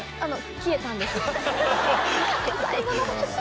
消えたんです。